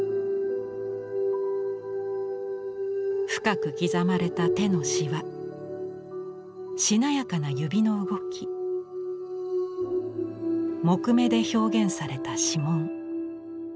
深く刻まれた手のシワしなやかな指の動き木目で表現された指紋。